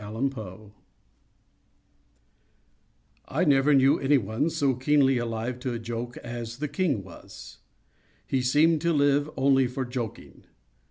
HOP FROG I never knew anyone so keenly alive to a joke as the king was. He seemed to live only for joking.